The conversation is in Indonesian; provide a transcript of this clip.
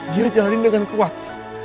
dia jalanin dengan kuat